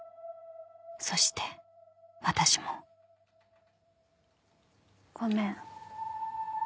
［そして私も］ごめん。